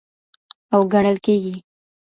او ګڼل کيږي.